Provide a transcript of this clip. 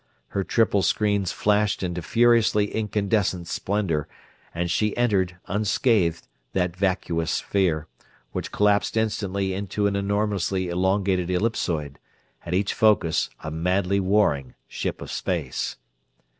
Her triple screens flashed into furiously incandescent splendor and she entered, unscathed, that vacuous sphere, which collapsed instantly into an enormously elongated ellipsoid, at each focus a madly warring ship of space.